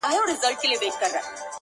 o ګناه بل وکړي کسات یې له ما خېژي,